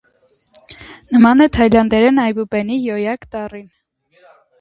Նման է թաիլանդերեն այբուբենի «յոյակ» տառին։